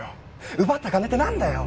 奪った金ってなんだよ！？